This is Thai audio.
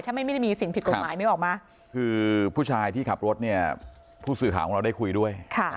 ถ้าไม่มิมีสิ่งผิดกลุ่มหมาย